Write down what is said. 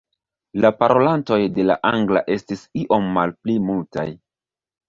La parolantoj de la angla estis iom malpli multaj.